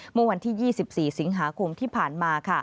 เมื่อวันที่๒๔สิงหาคมที่ผ่านมา